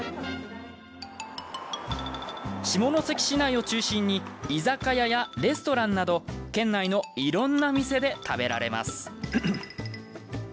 下関市内を中心に居酒屋やレストランなど県内のいろんな店で食べられます。